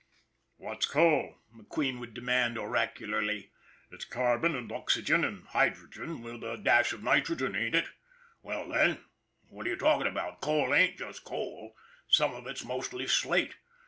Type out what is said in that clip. "What's coal?" McQueen would demand orac ularly. " It's carbon and oxygen and hydrogen with a dash of nitrogen, ain't it? Well, then, what are you talking about? Coal ain't just coal, some of it's mostly slate.